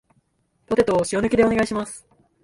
ポテトを塩抜きでお願いします